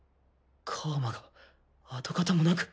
楔が跡形もなく。